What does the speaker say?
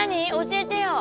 教えてよ！